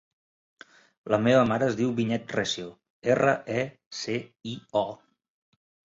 La meva mare es diu Vinyet Recio: erra, e, ce, i, o.